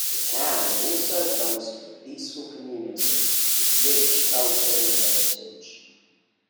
The town also boast of a peaceful community with rich culture and heritage.